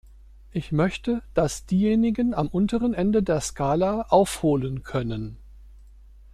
Ich möchte, dass diejenigen am unteren Ende der Skala aufholen können.